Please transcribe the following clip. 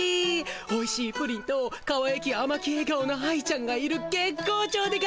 おいしいプリンとかわゆきあまきえ顔の愛ちゃんがいる月光町でガシ。